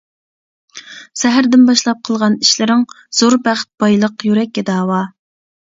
سەھەردىن باشلاپ قىلغان ئىشلىرىڭ، زور بەخت بايلىق يۈرەككە داۋا.